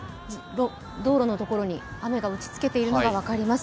道路のところに雨が打ちつけているのが分かります。